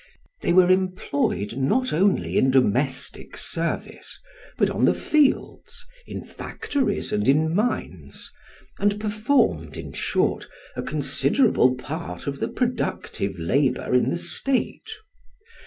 They were employed not only in domestic service, but on the fields, in factories and in mines, and performed, in short, a considerable part of the productive labour in the state.